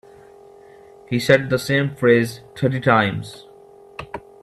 He said the same phrase thirty times.